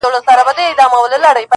• د زړه مېنه مي خالي ده له سروره -